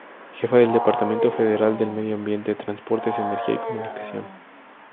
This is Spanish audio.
Jefa del Departamento Federal del Medio Ambiente, Transportes, Energía y Comunicación.